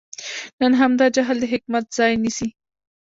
نن همدا جهل د حکمت ځای نیسي.